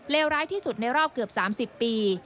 ร้ายที่สุดในรอบเกือบ๓๐ปี